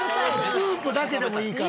スープだけでもいいから。